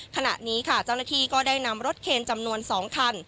ขณะนี้ค่ะเจ้าหน้าที่ก็ได้นำรถเคนจำนวน๒คัน